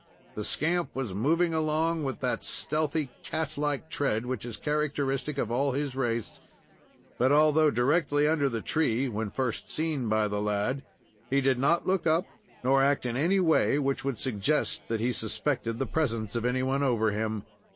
The scamp was moving along with that stealthy, cat like tread which is characteristic of all his race; but although directly under the tree when first seen by the lad, he did not look up nor act in any way which would suggest that he suspected the presence of anyone over him.